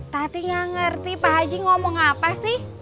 hati gak ngerti pak haji ngomong apa sih